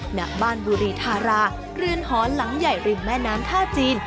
หน้าบ้านบุรีธาราเรือนหอนหลังใหญ่ริมแม่น้ำท่าจีน